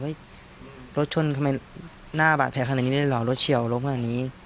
รถชนทำไมหน้าบาดแผลขนาดนี้ได้เหรอรถเฉียวรถขนาดนี้